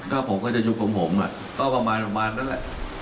ถ้าผมก็จะยุคลมผมก็ประมาณนั้นแหละ